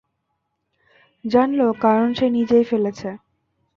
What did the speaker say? জানল, কারণ সে নিজেই ফেলেছে।